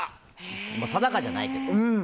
定かじゃないけど。